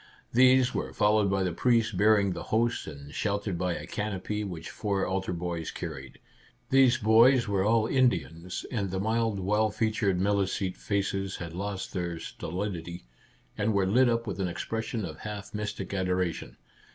These were followed by the priest bearing the host and sheltered by a canopy which four altar boys carried. These boys were all Indians, and the mild well featured Milicete faces had lost their stolidity, and were lit up with an expression of half mystic adora tion.